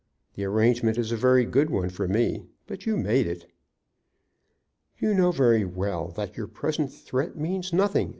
The arrangement is a very good one for me; but you made it." "You know very well that your present threat means nothing.